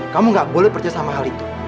kamu gak boleh percaya sama hal itu